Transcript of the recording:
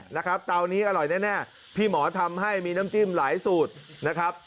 นะครับเตานี้อร่อยแน่พี่หมอทำให้มีน้ำจิ้มหลายสูตรนะครับ